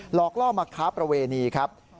อกล่อมาค้าประเวณีครับ